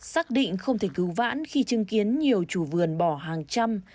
xác định không thể cứu vãn khi chứng kiến nhiều chủ vườn bỏ hàng trăm